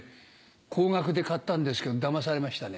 高額で買ったんですけどだまされましたね。